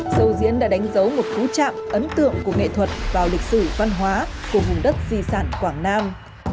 sâu diễn đã đánh dấu một phú chạm ấn tượng của nghệ thuật vào lịch sử văn hóa của vùng đất di sản quảng nam